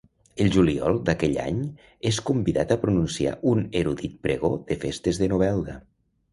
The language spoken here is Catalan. El juliol d'aquell any és convidat a pronunciar un erudit pregó de festes de Novelda.